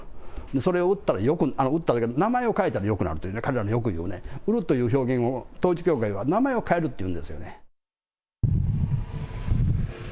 それを売ったら、名前を変えたらよくなるというね、彼らがよく言うね、売るという表現を、統一教会は名前を変えるっていうんですよね。